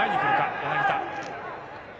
柳田。